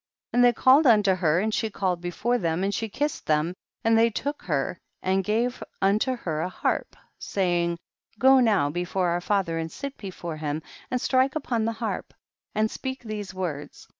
And they called unto her and she came before them, and she kiss ed them, and they took her and gave unto her a harp, saying, go now be fore our father, and sit before him, and strike upon the harp, and speak these words.